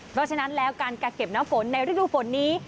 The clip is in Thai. เพราะฉะนั้นแล้วการกักเก็บน้ำฝนในฤดูฝนนี้